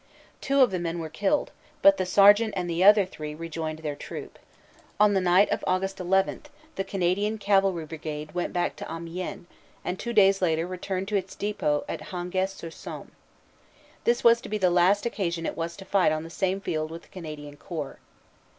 Two of the men were killed, but the sergeant and the other three rejoined their troop. On the night of Aug. 11 the Canadian Cavalry Brigade went back to Amiens and two days later returned to its depot at Hangest sur Somme. This was to be the last occasion it was to fight on the same field with the Canadian Corps.